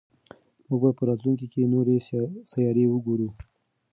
موږ به په راتلونکي کې نورې سیارې وګورو.